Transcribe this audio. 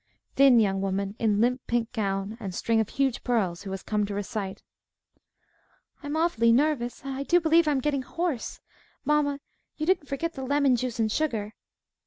THIN YOUNG WOMAN (in limp pink gown and string of huge pearls, who has come to recite) I'm awfully nervous, and I do believe I'm getting hoarse. Mama, you didn't forget the lemon juice and sugar?